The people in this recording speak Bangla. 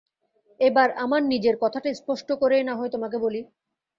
এবার আমার নিজের কথাটা স্পষ্ট করেই না-হয় তোমাকে বলি।